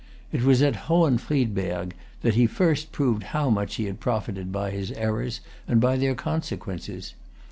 It was at Hohenfriedberg that he first proved how much he had profited by his errors, and by their consequences.